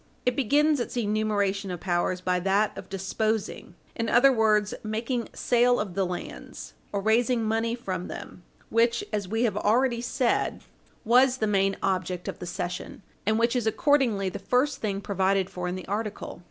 It begins its enumeration of powers by that of disposing, in other words, making sale of the lands, or raising money from them, which, as we have already said, was the main object of the cession, and which is accordingly the first thing provided for in the article.